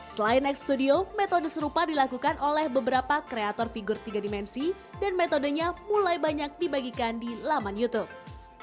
selain x studio metode serupa dilakukan oleh beberapa kreator figur tiga dimensi dan metodenya mulai banyak dibagikan di laman youtube